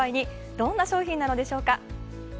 どんな商品なのでしょうか。